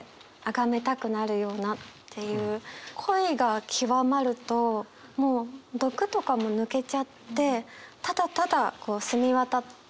恋が極まるともう毒とかも抜けちゃってただただ澄み渡った心。